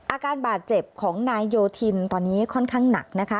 อาการบาดเจ็บของนายโยธินตอนนี้ค่อนข้างหนักนะคะ